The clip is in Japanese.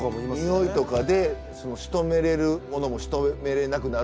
においとかでしとめれるものもしとめれなくなるから。